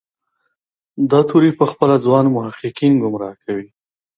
دا توری پخپله ځوان محققین ګمراه کوي.